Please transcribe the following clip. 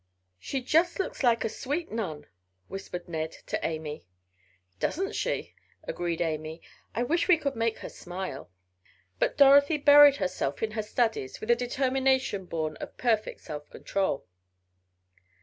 "She just looks like a sweet nun," whispered Ned to Amy. "Doesn't she," agreed Amy. "I wish we could make her smile." But Dorothy buried herself in her studies, with a determination born of perfect self control.